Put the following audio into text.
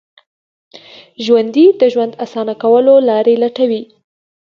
ژوندي د ژوند اسانه کولو لارې لټوي